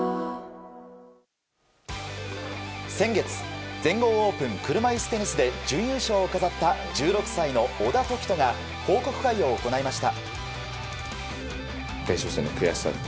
先月、全豪オープン車いすテニスで準優勝を飾った１６歳の小田凱人が報告会を行いました。